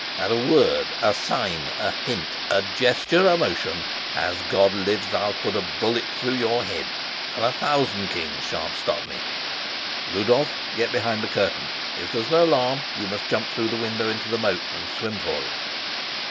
At a word, a sign, a hint, a gesture, a motion, as God lives, I'll put a bullet through your head, and a thousand kings sha'n't stop me. Rudolf, get behind the curtain. If there's an alarm you must jump through the window into the moat and swim for it."